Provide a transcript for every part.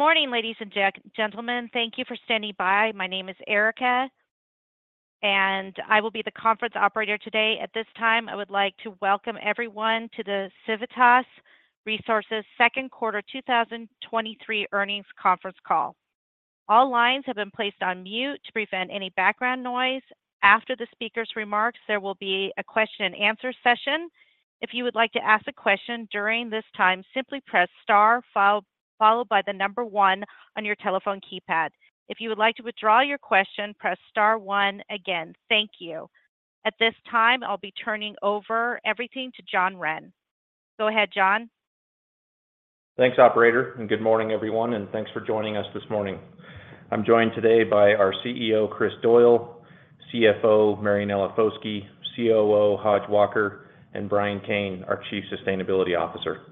Morning, ladies and gentlemen. Thank you for standing by. My name is Erica, and I will be the conference operator today. At this time, I would like to welcome everyone to the Civitas Resources Second Quarter 2023 Earnings Conference Call. All lines have been placed on mute to prevent any background noise. After the speaker's remarks, there will be a question and answer session. If you would like to ask a question during this time, simply press star one, followed by the one on your telephone keypad. If you would like to withdraw your question, press star one again. Thank you. At this time, I'll be turning over everything to John Wren. Go ahead, John. Thanks, operator, and good morning, everyone, and thanks for joining us this morning. I'm joined today by our CEO, Chris Doyle, CFO, Marianella Foskey, COO, Hodge Walker, and Brian Kane, our Chief Sustainability Officer.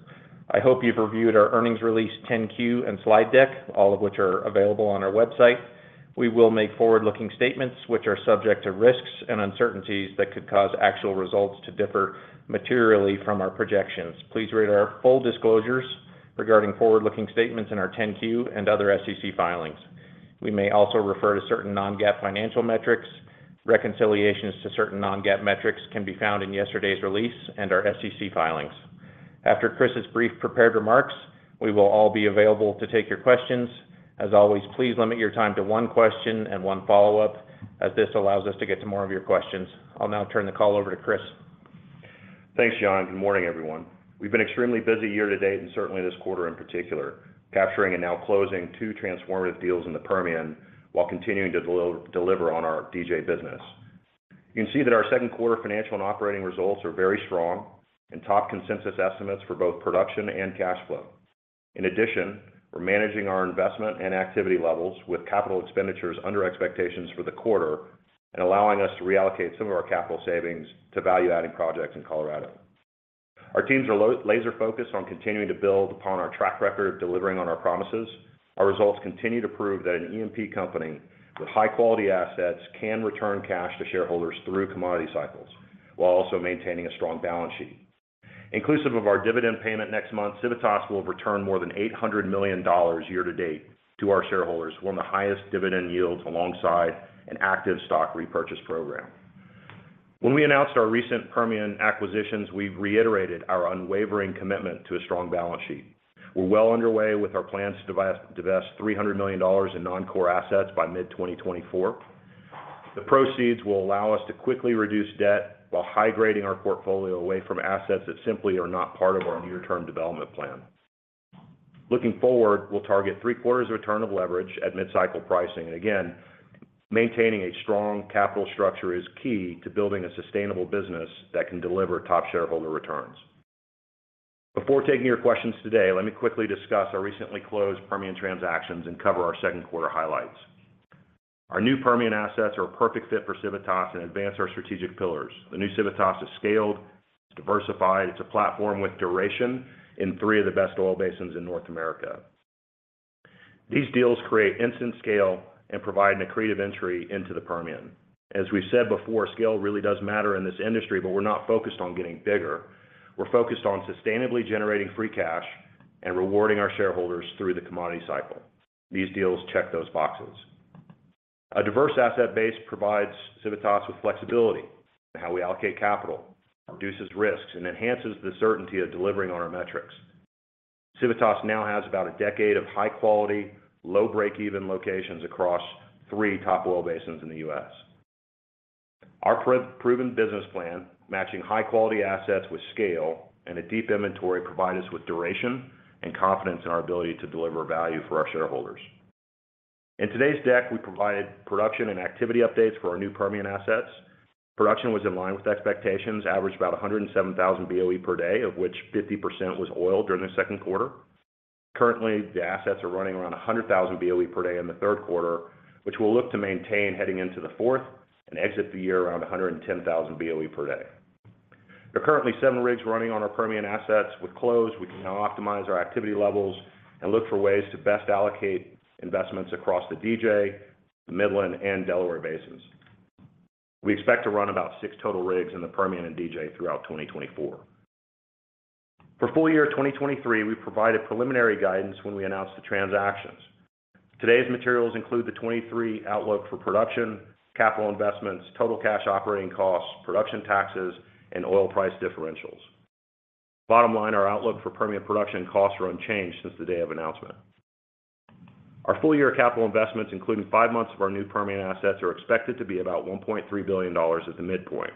I hope you've reviewed our earnings release 10-Q and slide deck, all of which are available on our website. We will make forward-looking statements which are subject to risks and uncertainties that could cause actual results to differ materially from our projections. Please read our full disclosures regarding forward-looking statements in our 10-Q and other SEC filings. We may also refer to certain non-GAAP financial metrics. Reconciliations to certain non-GAAP metrics can be found in yesterday's release and our SEC filings. After Chris' brief prepared remarks, we will all be available to take your questions. As always, please limit your time to one question and one follow-up, as this allows us to get to more of your questions. I'll now turn the call over to Chris. Thanks, John. Good morning, everyone. We've been extremely busy year to date, and certainly this quarter in particular, capturing and now closing two transformative deals in the Permian while continuing to deliver on our DJ business. You can see that our second quarter financial and operating results are very strong and top consensus estimates for both production and cash flow. In addition, we're managing our investment and activity levels with capital expenditures under expectations for the quarter and allowing us to reallocate some of our capital savings to value-adding projects in Colorado. Our teams are laser focused on continuing to build upon our track record of delivering on our promises. Our results continue to prove that an E&P company with high-quality assets can return cash to shareholders through commodity cycles, while also maintaining a strong balance sheet. Inclusive of our dividend payment next month, Civitas will return more than $800 million year-to-date to our shareholders, one of the highest dividend yields alongside an active stock repurchase program. When we announced our recent Permian acquisitions, we've reiterated our unwavering commitment to a strong balance sheet. We're well underway with our plans to divest $300 million in non-core assets by mid-2024. The proceeds will allow us to quickly reduce debt while high-grading our portfolio away from assets that simply are not part of our near-term development plan. Looking forward, we'll target three quarters of return of leverage at mid-cycle pricing. Again, maintaining a strong capital structure is key to building a sustainable business that can deliver top shareholder returns. Before taking your questions today, let me quickly discuss our recently closed Permian transactions and cover our second quarter highlights. Our new Permian assets are a perfect fit for Civitas and advance our strategic pillars. The new Civitas is scaled, diversified. It's a platform with duration in three of the best oil basins in North America. These deals create instant scale and provide an accretive entry into the Permian. As we've said before, scale really does matter in this industry, but we're not focused on getting bigger. We're focused on sustainably generating free cash and rewarding our shareholders through the commodity cycle. These deals check those boxes. A diverse asset base provides Civitas with flexibility in how we allocate capital, reduces risks, and enhances the certainty of delivering on our metrics. Civitas now has about a decade of high quality, low break-even locations across three top oil basins in the U.S. Our proven business plan, matching high-quality assets with scale and a deep inventory, provide us with duration and confidence in our ability to deliver value for our shareholders. In today's deck, we provided production and activity updates for our new Permian assets. Production was in line with expectations, averaged about 107,000 BOE per day, of which 50% was oil during the second quarter. Currently, the assets are running around 100,000 BOE per day in the third quarter, which we'll look to maintain heading into the fourth and exit the year around 110,000 BOE per day. There are currently seven rigs running on our Permian assets. With close, we can now optimize our activity levels and look for ways to best allocate investments across the DJ, Midland, and Delaware basins. We expect to run about six total rigs in the Permian and DJ throughout 2024. For full year 2023, we provided preliminary guidance when we announced the transactions. Today's materials include the 2023 outlook for production, capital investments, total cash operating costs, production taxes, and oil price differentials. Bottom line, our outlook for Permian production costs are unchanged since the day of announcement. Our full-year capital investments, including five months of our new Permian assets, are expected to be about $1.3 billion at the midpoint.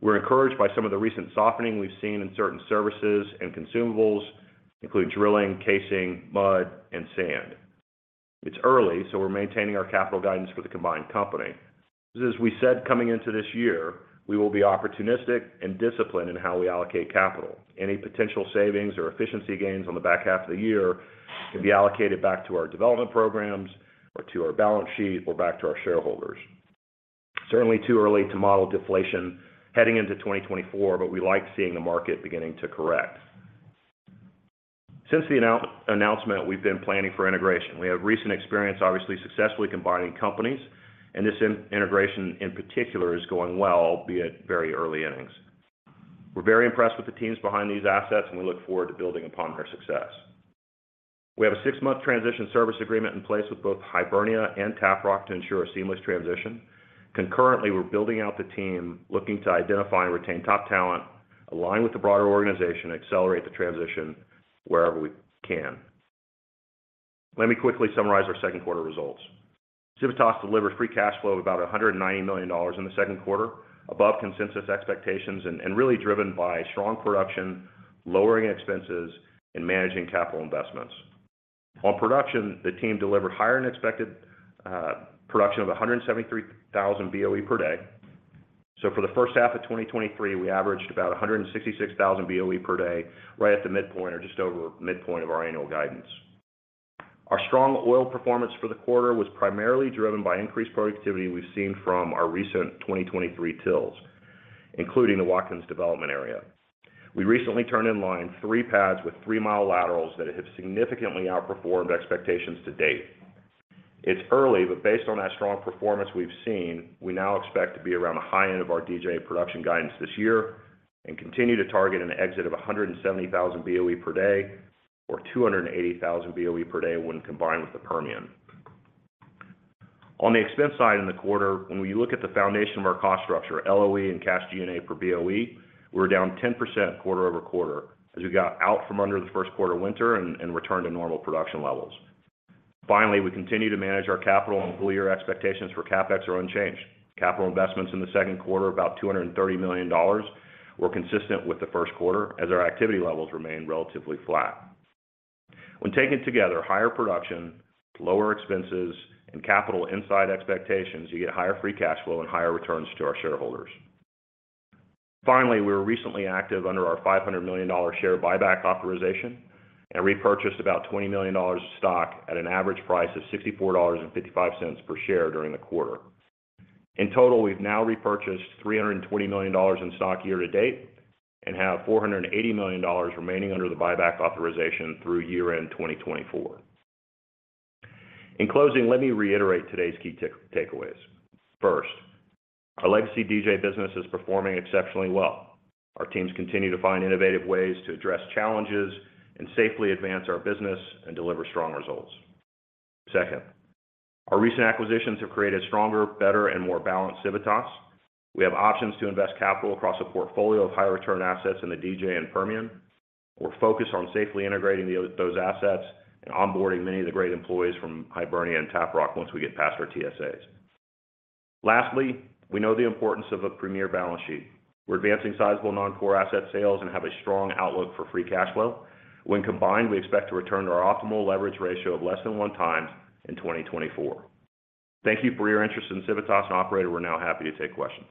We're encouraged by some of the recent softening we've seen in certain services and consumables, including drilling, casing, mud, and sand. It's early, we're maintaining our capital guidance for the combined company. As we said, coming into this year, we will be opportunistic and disciplined in how we allocate capital. Any potential savings or efficiency gains on the back half of the year can be allocated back to our development programs or to our balance sheet or back to our shareholders. Certainly, too early to model deflation heading into 2024, but we like seeing the market beginning to correct. Since the announcement, we've been planning for integration. We have recent experience, obviously, successfully combining companies, and this integration in particular is going well, be it very early innings. We're very impressed with the teams behind these assets, and we look forward to building upon their success. We have a six-month transition service agreement in place with both Hibernia and Tap Rock to ensure a seamless transition. Concurrently, we're building out the team, looking to identify and retain top talent, align with the broader organization, accelerate the transition wherever we can. Let me quickly summarize our second quarter results. Civitas delivered free cash flow of about $190 million in the second quarter, above consensus expectations, and, and really driven by strong production, lowering expenses, and managing capital investments. On production, the team delivered higher-than-expected production of 173,000 BOE per day. For the first half of 2023, we averaged about 166,000 BOE per day, right at the midpoint or just over midpoint of our annual guidance. Our strong oil performance for the quarter was primarily driven by increased productivity we've seen from our recent 2023 TILs, including the Watkins Development area. We recently turned in line three pads with 3 mi laterals that have significantly outperformed expectations to date. It's early, but based on that strong performance we've seen, we now expect to be around the high end of our DJ production guidance this year and continue to target an exit of 170,000 BOE per day, or 280,000 BOE per day when combined with the Permian. On the expense side, in the quarter, when we look at the foundation of our cost structure, LOE and cash G&A per BOE, we're down 10% quarter-over-quarter as we got out from under the first quarter winter and returned to normal production levels. Finally, we continue to manage our capital, and full year expectations for CapEx are unchanged. Capital investments in the second quarter, about $230 million, were consistent with the first quarter, as our activity levels remained relatively flat. When taken together, higher production, lower expenses, and capital inside expectations, you get higher free cash flow and higher returns to our shareholders. Finally, we were recently active under our $500 million share buyback authorization and repurchased about $20 million of stock at an average price of $64.55 per share during the quarter. In total, we've now repurchased $320 million in stock year to date and have $480 million remaining under the buyback authorization through year-end 2024. In closing, let me reiterate today's key takeaways. First, our legacy DJ business is performing exceptionally well. Our teams continue to find innovative ways to address challenges and safely advance our business and deliver strong results. Second, our recent acquisitions have created a stronger, better, and more balanced Civitas. We have options to invest capital across a portfolio of high-return assets in the DJ and Permian. We're focused on safely integrating those assets and onboarding many of the great employees from Hibernia and Taprock once we get past our TSAs. Lastly, we know the importance of a premier balance sheet. We're advancing sizable non-core asset sales and have a strong outlook for free cash flow. When combined, we expect to return to our optimal leverage ratio of less than 1x 2024. Thank you for your interest in Civitas. Operator, we're now happy to take questions.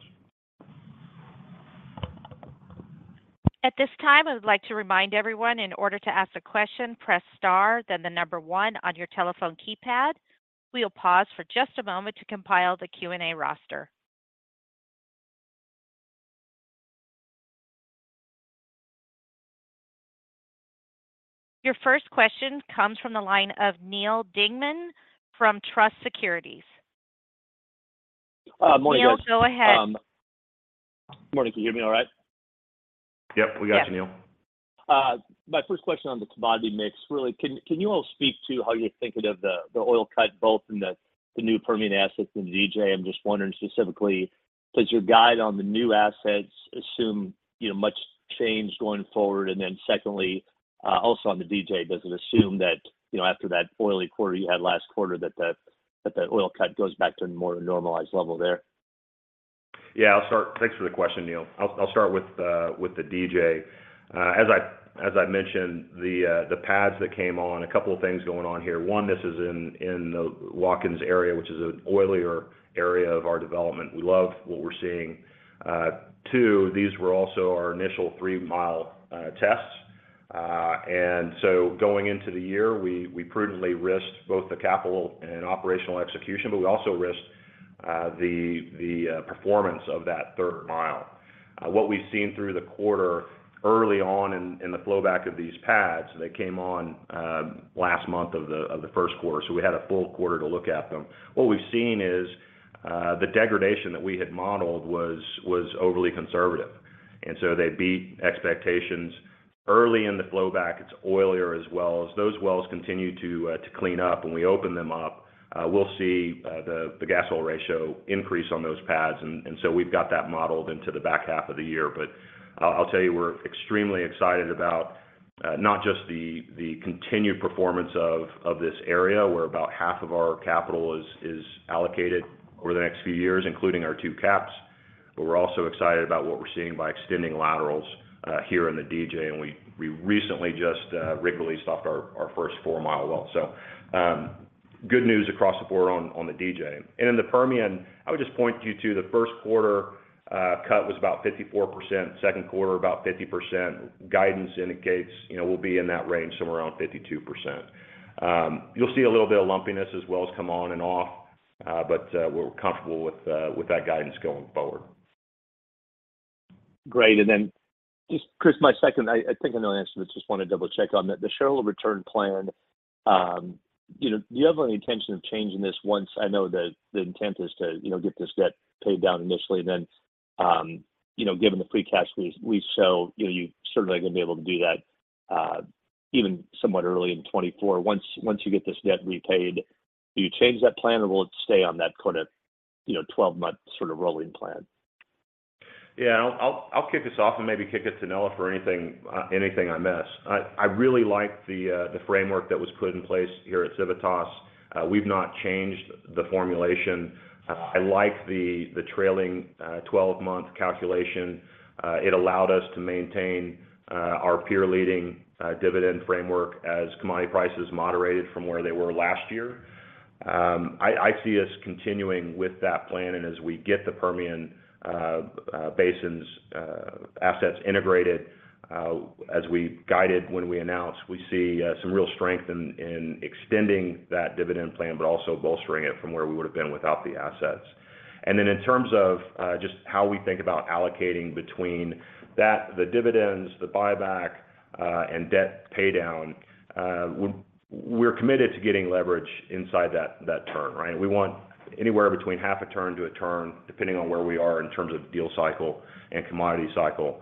At this time, I would like to remind everyone, in order to ask a question, press star, then the number one on your telephone keypad. We will pause for just a moment to compile the Q&A roster. Your first question comes from the line of Neal Dingmann from Truist Securities. Morning, guys. Neal, go ahead. Morning. Can you hear me all right? Yep, we got you, Neal. Yes. My first question on the commodity mix. Really, can you all speak to how you're thinking of the oil cut, both in the new Permian assets in the DJ? I'm just wondering specifically, does your guide on the new assets assume, you know, much change going forward? Secondly, also on the DJ, does it assume that, you know, after that oily quarter you had last quarter, that the oil cut goes back to a more normalized level there? Yeah, I'll start. Thanks for the question, Neal. I'll start with the DJ. As I mentioned, the pads that came on, a couple of things going on here. One, this is in the Watkins area, which is an oilier area of our development. We love what we're seeing. Two, these were also our initial three-mile tests. Going into the year, we prudently risked both the capital and operational execution, but we also risked the performance of that third mile. What we've seen through the quarter, early on in the flowback of these pads, they came on last month of the first quarter, so we had a full quarter to look at them. What we've seen is, the degradation that we had modeled was, was overly conservative. They beat expectations. Early in the flowback, it's oilier as well. As those wells continue to clean up, when we open them up, we'll see the gas-oil ratio increase on those pads. We've got that modeled into the back half of the year. I'll tell you, we're extremely excited about not just the continued performance of this area, where about half of our capital is allocated over the next few years, including our two caps, we're also excited about what we're seeing by extending laterals here in the DJ. We recently just rig released off our 4-mile well. Good news across the board on the DJ. In the Permian, I would just point you to the first quarter cut was about 54%, second quarter, about 50%. Guidance indicates, you know, we'll be in that range, somewhere around 52%. You'll see a little bit of lumpiness as wells come on and off, but we're comfortable with that guidance going forward. Great. Then just, Chris, my second, I, I think I know the answer to this, just want to double-check on that. The shareholder return plan you know, do you have any intention of changing this once I know that the intent is to, you know, get this debt paid down initially, then, you know, given the free cash we, we sell, you know, you're certainly gonna be able to do that, even somewhat early in 2024. Once, once you get this debt repaid, do you change that plan, or will it stay on that kind of, you know, 12-month sort of rolling plan? Yeah I'll kick this off and maybe kick it to Neal for anything, anything I miss. I, I really like the framework that was put in place here at Civitas. We've not changed the formulation. I, I like the trailing 12-month calculation. It allowed us to maintain our peer-leading dividend framework as commodity prices moderated from where they were last year. I, I see us continuing with that plan, and as we get the Permian basin's assets integrated, as we guided when we announced, we see some real strength in extending that dividend plan, but also bolstering it from where we would have been without the assets. In terms of, just how we think about allocating between that, the dividends, the buyback, and debt paydown, we're committed to getting leverage inside that, that turn, right? We want anywhere between half a turn to a turn, depending on where we are in terms of deal cycle and commodity cycle.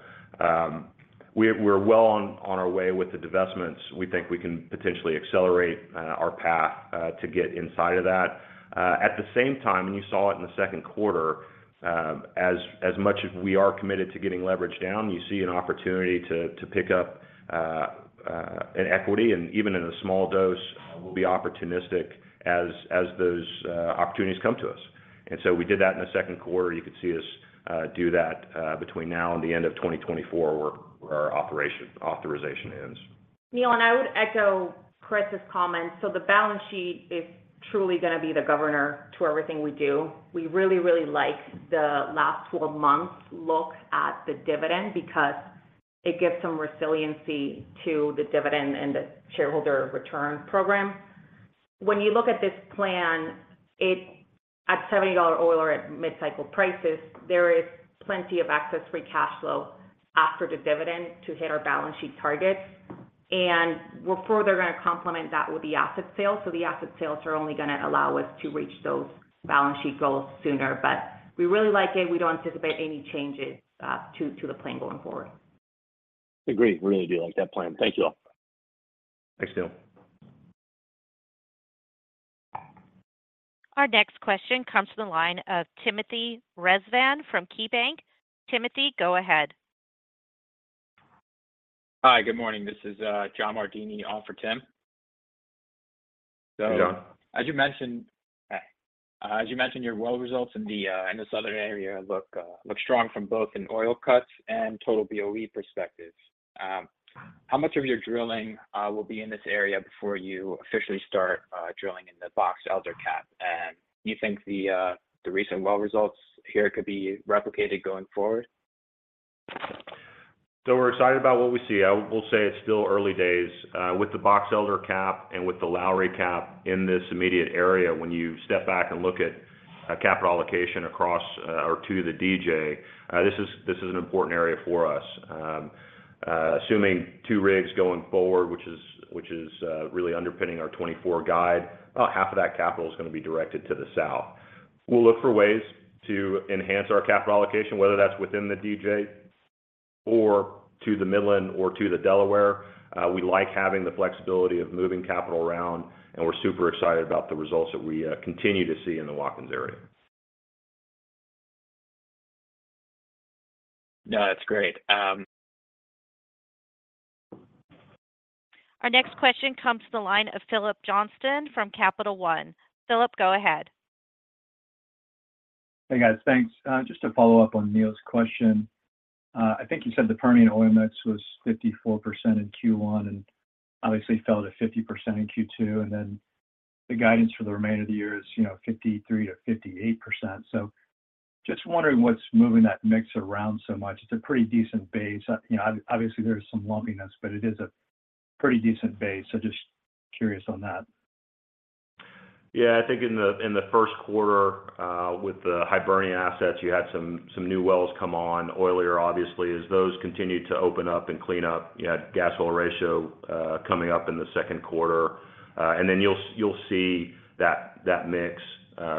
We're well on our way with the divestments. We think we can potentially accelerate our path to get inside of that. At the same time, and you saw it in the second quarter, as much as we are committed to getting leverage down, you see an opportunity to pick up an equity, and even in a small dose, we'll be opportunistic as those opportunities come to us. So we did that in the second quarter. You could see us do that between now and the end of 2024, where our authorization ends. Neal, I would echo Chris' comments. The balance sheet is truly gonna be the governor to everything we do. We really, really like the last four months look at the dividend because it gives some resiliency to the dividend and the shareholder return program. When you look at this plan, at $70 oil or at mid-cycle prices, there is plenty of excess free cash flow after the dividend to hit our balance sheet targets, and we're further gonna complement that with the asset sale. The asset sales are only gonna allow us to reach those balance sheet goals sooner. We really like it. We don't anticipate any changes to the plan going forward. Agree. We really do like that plan. Thank you all. Thanks, Neal. Our next question comes from the line of Timothy Rezvan from KeyBanc. Timothy, go ahead. Hi, good morning. This is John Martini, on for Tim. Hey, John. As you mentioned, as you mentioned, your well results in the, in the southern area look, look strong from both in oil cuts and total BOE perspectives. How much of your drilling will be in this area before you officially start drilling in the Box Elder Cap? Do you think the recent well results here could be replicated going forward? We're excited about what we see. I will say it's still early days. With the Box Elder Cap and with the Lowry Cap in this immediate area, when you step back and look at, capital allocation across, or to the DJ, this is, this is an important area for us. Assuming two rigs going forward, which is, which is, really underpinning our 2024 guide, about half of that capital is gonna be directed to the south. We'll look for ways to enhance our capital allocation, whether that's within the DJ or to the Midland or to the Delaware. We like having the flexibility of moving capital around, and we're super excited about the results that we continue to see in the Watkins area. No, that's great. Our next question comes to the line of Phillip Johnston from Capital One. Phillip, go ahead. Hey, guys. Thanks. Just to follow up on Neal's question, I think you said the Permian oil mix was 54% in Q1, and obviously fell to 50% in Q2, and then the guidance for the remainder of the year is, you know, 53%-58%. Just wondering what's moving that mix around so much. It's a pretty decent base. You know, obviously, there's some lumpiness, but it is a pretty decent base. Just curious on that. Yeah, I think in the, in the first quarter, with the Hibernia assets, you had some, some new wells come on, oilier, obviously. As those continued to open up and clean up, you had gas-oil ratio, coming up in the second quarter. Then you'll, you'll see that, that mix,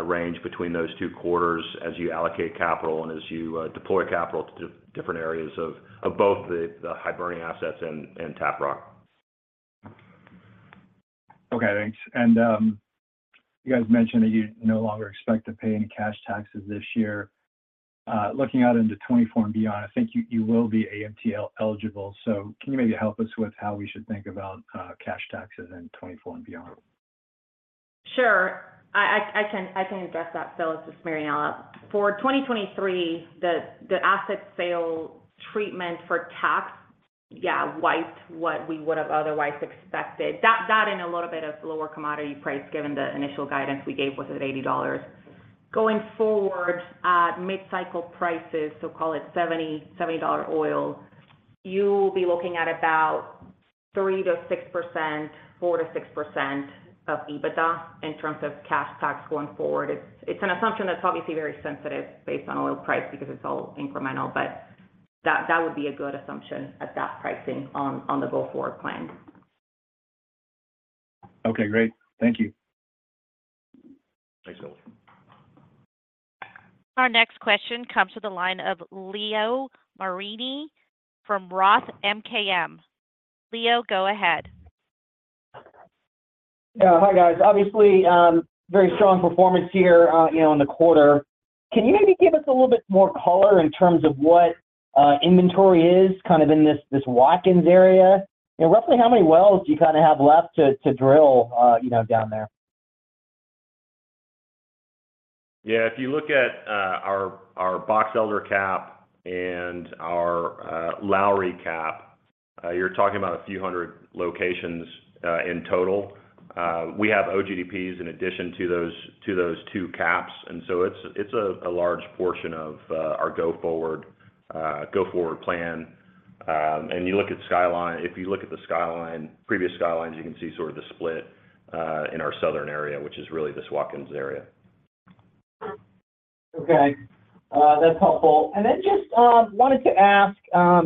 range between those two quarters as you allocate capital and as you, deploy capital to different areas of, of both the, the Hibernia assets and, Taprock. Okay, thanks. You guys mentioned that you no longer expect to pay any cash taxes this year. Looking out into 2024 and beyond, I think you, you will be AMT eligible. Can you maybe help us with how we should think about cash taxes in 2024 and beyond? Sure. I can address that, Philip. This is Marianella. For 2023, the, the asset sale treatment for tax, yeah, wiped what we would have otherwise expected. That, that and a little bit of lower commodity price, given the initial guidance we gave was at $80. Going forward, at mid-cycle prices, so call it $70 oil, you'll be looking at about 3%-6%, 4%-6% of EBITDA in terms of cash tax going forward. It's, it's an assumption that's obviously very sensitive based on oil price, because it's all incremental, but that, that would be a good assumption at that pricing on, on the go-forward plan. Okay, great. Thank you. Thanks, Phillip. Our next question comes to the line of Leo Mariani from Roth MKM. Leo, go ahead. Yeah. Hi, guys. Obviously, very strong performance here, you know, in the quarter. Can you maybe give us a little bit more color in terms of what inventory is kind of in this, this Watkins area? Roughly how many wells do you kinda have left to, to drill, you know, down there? Yeah, if you look at, our, our Box Elder Cap and our, Lowry Cap, you're talking about a few hundred locations, in total. We have OGDPs in addition to those, to those two caps, and so it's, it's a, a large portion of, our go-forward, go-forward plan. If you look at the skyline, previous skylines, you can see sort of the split, in our southern area, which is really this Watkins area. Okay. That's helpful. Just wanted to ask,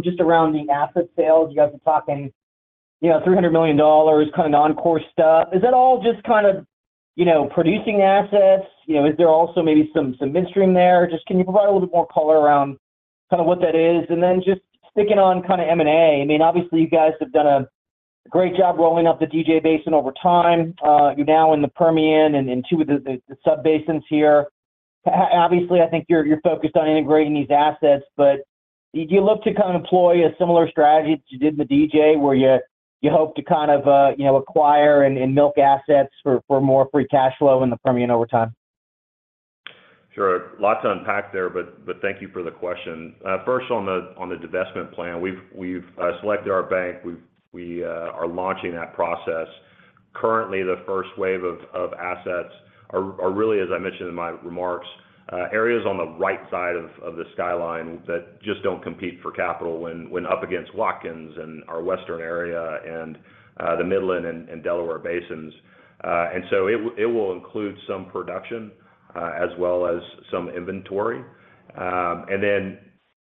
just around the asset sales. You guys are talking, you know, $300 million, kind of non-core stuff. Is that all just kind of, you know, producing assets? You know, is there also maybe some, some midstream there? Just can you provide a little bit more color around kind of what that is? Just sticking on kind of M&A, I mean, obviously, you guys have done a great job rolling up the DJ Basin over time. You're now in the Permian and, and two of the, the subbasins here. Obviously, I think you're, you're focused on integrating these assets. Do you look to kind of employ a similar strategy that you did in the DJ, where you, you hope to kind of, you know, acquire and, and milk assets for, for more free cash flow in the Permian over time? Sure. Lots to unpack there, but, but thank you for the question. First, on the, on the divestment plan, we've, we've selected our bank. We are launching that process. Currently, the first wave of, of assets are, are really, as I mentioned in my remarks, areas on the right side of, of the skyline that just don't compete for capital when, when up against Watkins and our Western area and the Midland and Delaware Basins. It will include some production, as well as some inventory.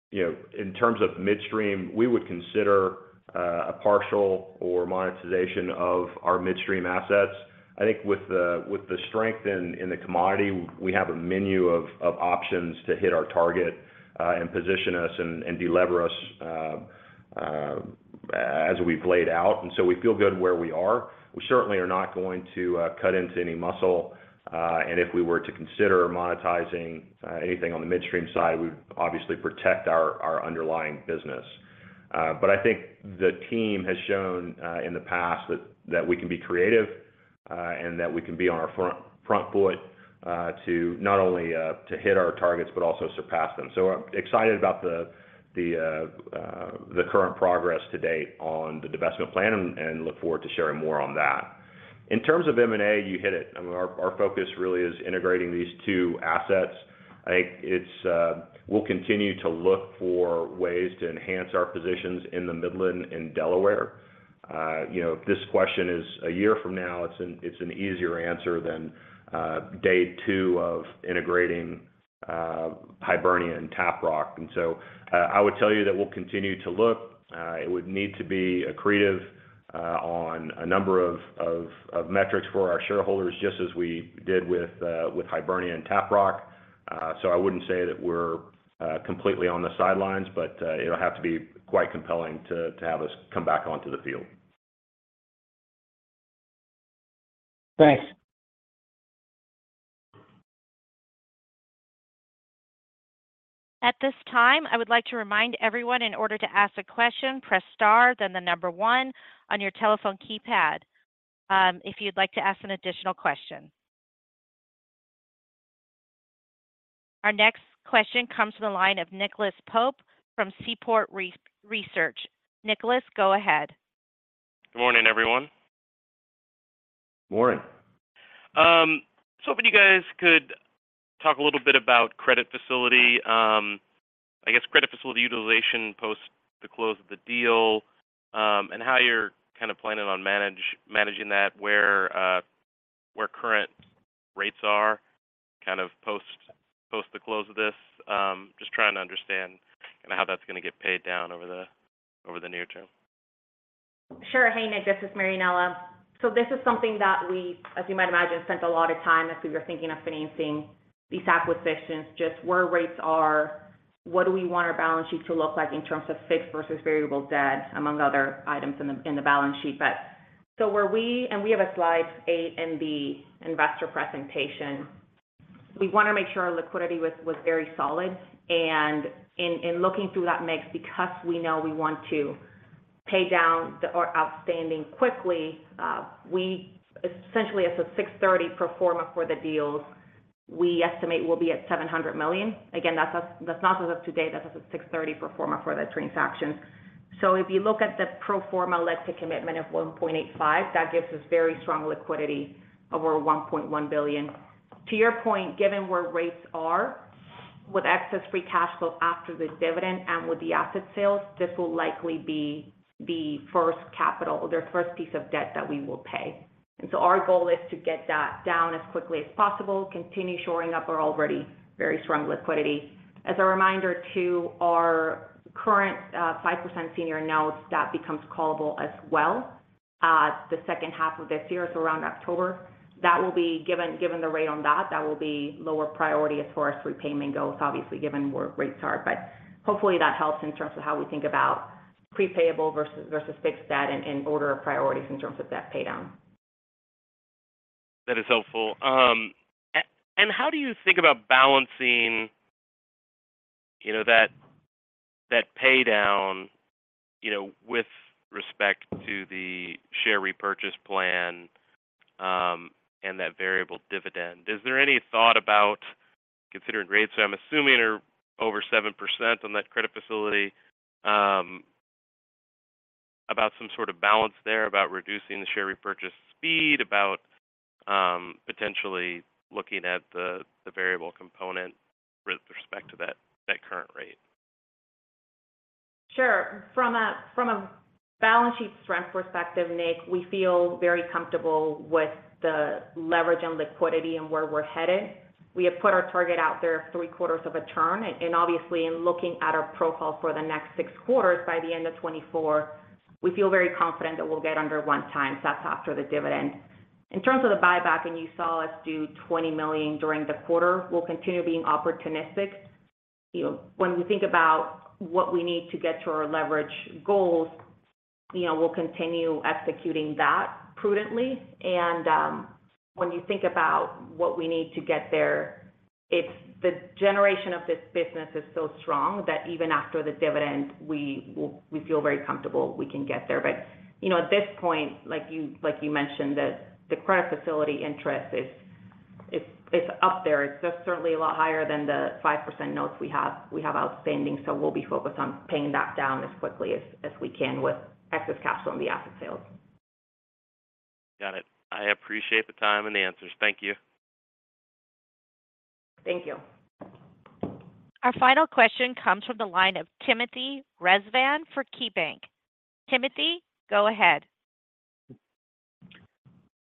You know, in terms of midstream, we would consider a partial or monetization of our midstream assets. I think with the, with the strength in, in the commodity, we have a menu of, of options to hit our target, and position us and, and delever us, as we've laid out. We feel good where we are. We certainly are not going to cut into any muscle, and if we were to consider monetizing anything on the midstream side, we'd obviously protect our, our underlying business. I think the team has shown in the past that, that we can be creative, and that we can be on our front, front foot, to not only to hit our targets, but also surpass them. I'm excited about the, the current progress to date on the divestment plan and, and look forward to sharing more on that. In terms of M&A, you hit it. I mean, our focus really is integrating these two assets. I think it's. We'll continue to look for ways to enhance our positions in the Midland and Delaware. You know, if this question is a year from now, it's an easier answer than, day two of integrating, Hibernia and Taprock. So, I would tell you that we'll continue to look. It would need to be accretive, on a number of metrics for our shareholders, just as we did with Hibernia and Taprock. So, I wouldn't say that we're completely on the sidelines, but it'll have to be quite compelling to have us come back onto the field. Thanks. At this time, I would like to remind everyone in order to ask a question, press star, then the number one on your telephone keypad, if you'd like to ask an additional question. Our next question comes from the line of Nicholas Pope from Seaport Research Partners. Nicholas, go ahead. Good morning, everyone. Morning. Hoping you guys could talk a little bit about credit facility, I guess, credit facility utilization post the close of the deal, and how you're planning on managing that, where current rates are, post the close of this. Just trying to understand, you know, how that's gonna get paid down over the near term. Sure. Hey, Nich, this is Marianella. This is something that we, as you might imagine, spent a lot of time as we were thinking of financing these acquisitions. Just where rates are, what do we want our balance sheet to look like in terms of fixed versus variable debt, among other items in the balance sheet. Where we have a slide 8 in the investor presentation. We wanna make sure our liquidity was, was very solid, and in, in looking through that mix, because we know we want to pay down the, our outstanding quickly, we essentially, as of 6/30 pro forma for the deals, we estimate we'll be at $700 million. Again, that's not as of today, that's as of 6/30 pro forma for the transaction. If you look at the pro forma letter commitment of 1.85, that gives us very strong liquidity over $1.1 billion. To your point, given where rates are, with excess free cash flow after the dividend and with the asset sales, this will likely be the first capital or the first piece of debt that we will pay. Our goal is to get that down as quickly as possible, continue shoring up our already very strong liquidity. As a reminder to our current, 5% senior notes, that becomes callable as well, the second half of this year, so around October. That will be given, given the rate on that, that will be lower priority as far as repayment goes, obviously, given where rates are. Hopefully that helps in terms of how we think about prepaid versus, versus fixed debt and, and order of priorities in terms of debt pay down. That is helpful. How do you think about balancing, you know, that, that pay down, you know, with respect to the share repurchase plan, and that variable dividend? Is there any thought about considering rates? I'm assuming you're over 7% on that credit facility, about some sort of balance there, about reducing the share repurchase speed, about potentially looking at the variable component with respect to that current rate. Sure. From a, from a balance sheet strength perspective, Nich, we feel very comfortable with the leverage and liquidity and where we're headed. We have put our target out there three quarters of a turn, and obviously, in looking at our profile for the next six quarters by the end of 2024, we feel very confident that we'll get under one time. That's after the dividend. In terms of the buyback, and you saw us do $20 million during the quarter, we'll continue being opportunistic. You know, when we think about what we need to get to our leverage goals, you know, we'll continue executing that prudently. When you think about what we need to get there, it's the generation of this business is so strong that even after the dividend, we will, we feel very comfortable we can get there. You know, at this point, like you, like you mentioned, the credit facility interest is, it's up there. It's just certainly a lot higher than the 5% notes we have outstanding, so we'll be focused on paying that down as quickly as we can with excess cash flow on the asset sales. Got it. I appreciate the time and the answers. Thank you. Thank you. Our final question comes from the line of Timothy Rezvan for KeyBanc. Timothy, go ahead.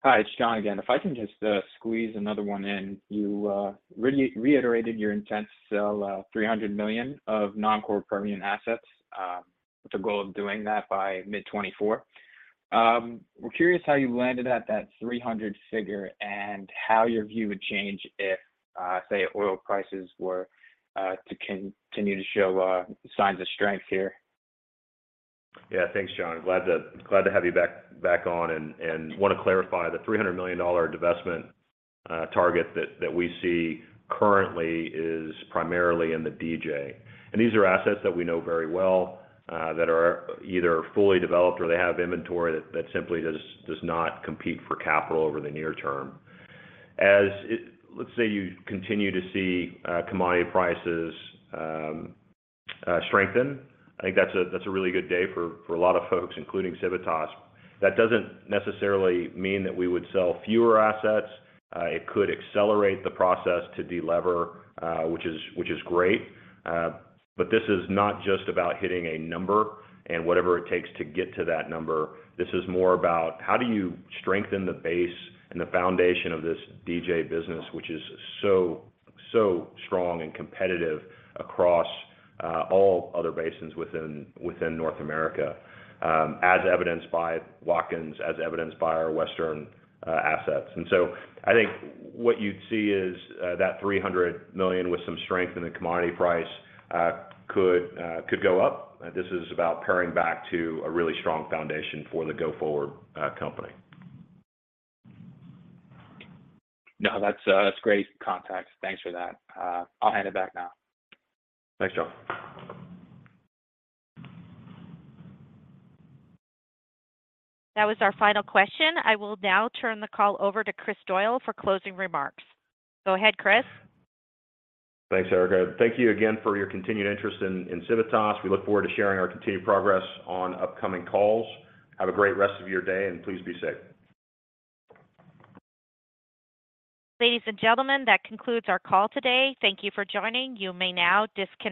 Hi, it's John again. If I can just squeeze another one in. You reiterated your intent to sell $300 million of non-core Permian assets with the goal of doing that by mid-2024. We're curious how you landed at that 300 figure, and how your view would change if, say, oil prices were to continue to show signs of strength here? Yeah. Thanks, John. Glad to, glad to have you back, back on, and want to clarify, the $300 million divestment target that, that we see currently is primarily in the DJ. These are assets that we know very well, that are either fully developed or they have inventory that, that simply just does not compete for capital over the near term. Let's say, you continue to see commodity prices strengthen. I think that's a, that's a really good day for, for a lot of folks, including Civitas. That doesn't necessarily mean that we would sell fewer assets. It could accelerate the process to delever, which is, which is great. This is not just about hitting a number and whatever it takes to get to that number. This is more about how do you strengthen the base and the foundation of this DJ business, which is so, so strong and competitive across all other basins within North America, as evidenced by Watkins, as evidenced by our Western assets. I think what you'd see is that $300 million with some strength in the commodity price could go up. This is about paring back to a really strong foundation for the go-forward company. No, that's, that's great context. Thanks for that. I'll hand it back now. Thanks, John. That was our final question. I will now turn the call over to Chris Doyle for closing remarks. Go ahead, Chris. Thanks, Erica. Thank you again for your continued interest in, in Civitas. We look forward to sharing our continued progress on upcoming calls. Have a great rest of your day, and please be safe. Ladies and gentlemen, that concludes our call today. Thank you for joining. You may now disconnect.